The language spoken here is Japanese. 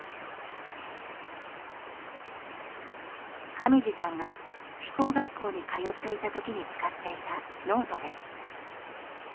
亀二さんが飛行学校に通っていたときに使っていたノートです。